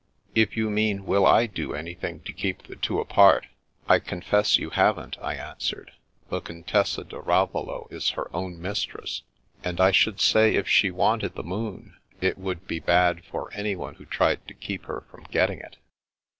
" If you mean, will I do anjrthing to keep the two apart, I confess you haven't," I answered. "The Contessa di Ravello is her own mistress, and I should The Little Rift within the Lute 229 say if she wanted the moon, it would be bad for any one who tried to keep her from getting it."